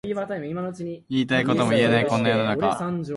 言いたいことも言えないこんな世の中